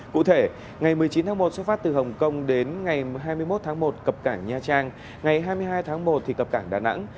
cụ thể ngày một mươi chín tháng một xuất phát từ hồng kông đến ngày hai mươi một tháng một cập cảng nha trang ngày hai mươi hai tháng một thì cập cảng đà nẵng